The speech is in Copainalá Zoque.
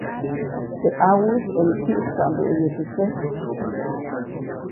Teʼ ʼawuʼis ʼoyu kyäʼskaʼmbäʼäye teʼ säjk.